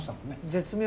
絶妙！